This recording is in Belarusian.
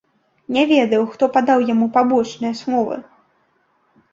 Не ведаў, хто падаў яму пабочныя словы.